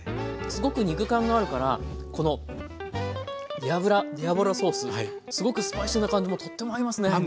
すごく肉感があるからこのディアブルソースすごくスパイシーな感じもとっても合いますね。